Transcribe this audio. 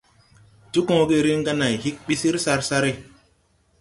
Tikooge riŋ ga nãy hig ɓi sar sare.